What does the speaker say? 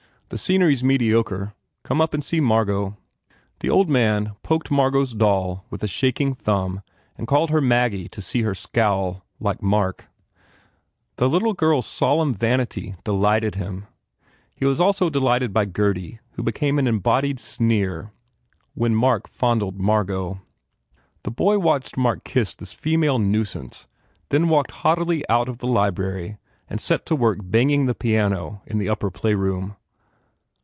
The scenery s mediocre. Come up and see Margot." The old man poked Margot s doll with a shak ing thumb and called her Maggie to see her scowl, like Mark. The little girl s solemn vanity delighted him. H.e was also delighted by Gurdy who became an embodied sneer when Mark fondled Margot. The boy watched Mark kiss this female nuisance then walked haughtily out of the library and set to work banging the piano in the upper playroom.